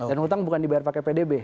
dan utang bukan dibayar pakai pdb